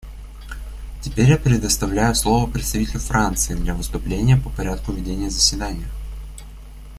Теперь я предоставляю слово представителю Франции для выступления по порядку ведения заседания.